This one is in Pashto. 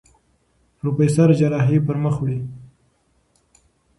پروفېسر جراحي پر مخ وړي.